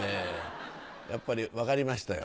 やっぱり分かりましたよ。